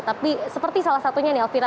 tapi seperti salah satunya nih elvira